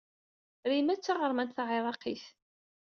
Rimas d taɣermant taɛiraqit.